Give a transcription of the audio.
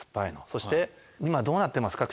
そして今どうなってますか？